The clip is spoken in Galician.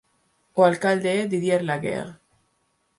O alcalde é Didier Laguerre.